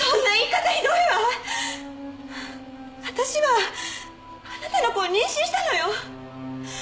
わたしはあなたの子を妊娠したのよ